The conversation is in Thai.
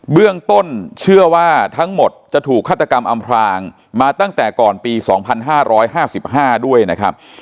เบื้องต้นเชื่อว่าทั้งหมดจะถูกฆาตกรรมอำพลางมาตั้งแต่ก่อนปีสองพันห้าร้อยห้าสิบห้าด้วยนะครับ